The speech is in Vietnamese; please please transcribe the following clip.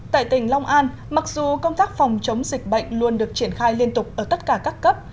tại tỉnh long an mặc dù công tác phòng chống dịch bệnh luôn được triển khai liên tục ở tất cả các cấp